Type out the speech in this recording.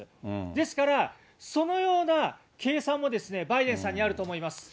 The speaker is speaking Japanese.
ですから、そのような計算もバイデンさんにあると思います。